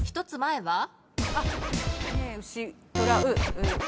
１つ前は？